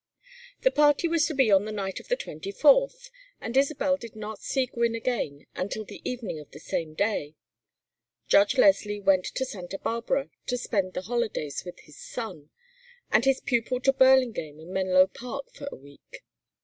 The party was to be on the night of the 24th, and Isabel did not see Gwynne again until the evening of the same day. Judge Leslie went to Santa Barbara to spend the holidays with his son, and his pupil to Burlingame and Menlo Park for a week.